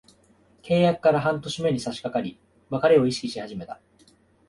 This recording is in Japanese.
契約から半年目に差しかかり、別れを意識し始めました。